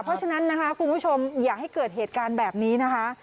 เพราะฉะนั้นนะคะคุณผู้ชมอย่าให้เกิดเหตุการณ์แบบนี้นะคะ